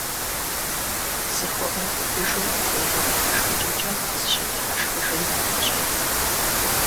Зыхуэмыубыдыжу делэ дыхьэшхыкӀэкӀэ зыщыдыхьэшхыжын къыщӀедзэ.